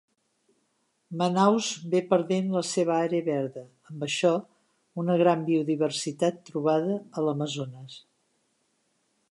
Manaus ve perdent la seva àrea verda, amb això, una gran biodiversitat trobada a l'Amazones.